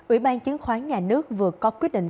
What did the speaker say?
ủy ban chứng khoán nhà nước vừa có quyết định